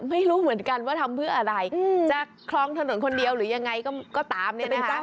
ไม่รู้เหมือนกันว่าทำเพื่ออะไรจะคลองถนนคนเดียวหรือยังไงก็ตามเนี่ยนะคะ